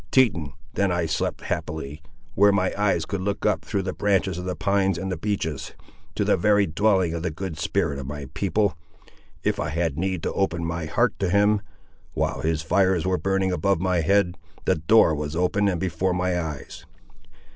Teton, then I slept happily, where my eyes could look up through the branches of the pines and the beeches, to the very dwelling of the Good Spirit of my people. If I had need to open my heart to him, while his fires were burning above my head, the door was open and before my eyes.